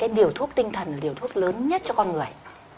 cái điều thuốc tinh thần là điều thuốc lớn nhất cho con người